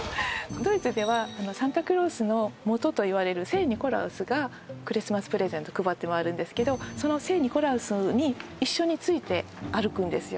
ドイツではサンタクロースのもとといわれる聖ニコラウスがクリスマスプレゼント配ってまわるんですけどその聖ニコラウスに一緒について歩くんですよ